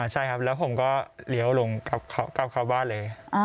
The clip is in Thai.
ใช่ครับแล้วผมก็เลี้ยวลงกลับเข้าบ้านเลย